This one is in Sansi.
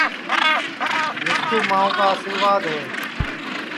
مِسکُو ماؤں کا آسرِواد ہے